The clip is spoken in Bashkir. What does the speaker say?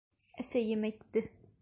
Әсәйем әйтте!